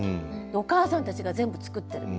お母さんたちが全部作ってる。